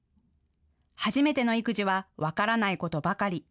初めての育児は分からないことばかり。